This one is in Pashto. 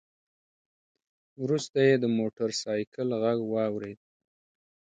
وروسته يې د موټر سايکل غږ واورېد.